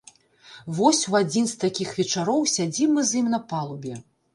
Вось у адзін з такіх вечароў сядзім мы з ім на палубе.